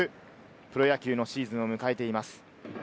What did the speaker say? プロ野球のシーズンを迎えています。